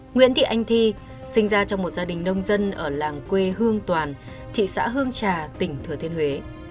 nguyễn thị anh thi sinh ra trong một gia đình nông dân ở làng quê hương toàn thị xã hương trà tỉnh thừa thiên huế